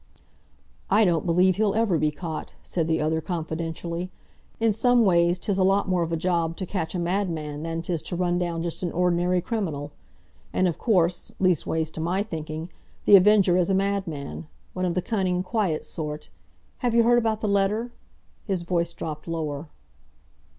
"I don't believe he'll ever be caught," said the other confidentially. "In some ways 'tis a lot more of a job to catch a madman than 'tis to run down just an ordinary criminal. And, of course—leastways to my thinking—The Avenger is a madman—one of the cunning, quiet sort. Have you heard about the letter?" his voice dropped lower.